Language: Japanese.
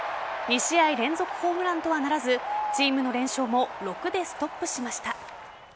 ２試合連続ホームランとはならずチームの連勝も６でストップしました。